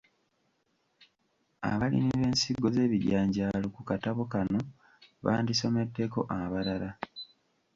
Abalimi b’ensigo z’ebijanjaalo, ku katabo kano bandisomeddeko akalala.